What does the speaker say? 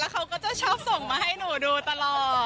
เขาก็จะชอบส่งมาให้หนูดูตลอด